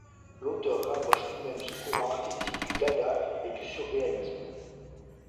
L'auteur rapproche lui-même ce courant artistique du Dada et du Surréalisme.